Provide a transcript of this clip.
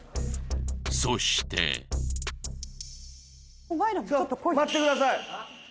そして待ってください